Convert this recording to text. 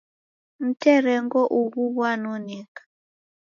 Mterengo ughu ghwanoneka